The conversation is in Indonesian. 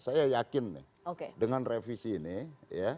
saya yakin nih dengan revisi ini ya